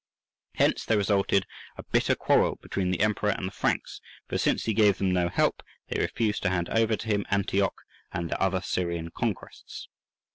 Hence there resulted a bitter quarrel between the Emperor and the Franks, for since he gave them no help they refused to hand over to him Antioch and their other Syrian conquests.